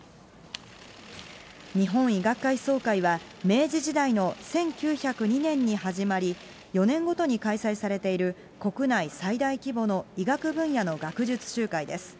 日本医学会総会は明治時代の１９０２年に始まり、４年ごとに開催されている国内最大規模の医学分野の学術集会です。